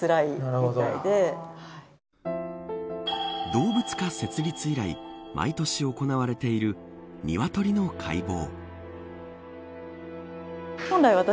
動物科設立以来毎年行われているニワトリの解剖。